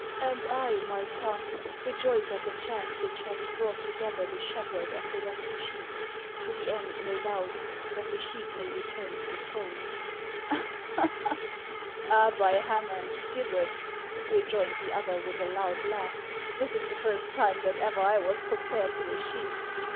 " And I, my son, rejoice at the chance which has brought together the shepherd and the lost sheep, to the end, no doubt, that the sheep may return to the fold." " Ah, by Hainan's gibbet," rejoined the other with a 10 146 HANS OF ICKLAXD. loud laugh, " this is the first time that ever I was coin pared to a sheep !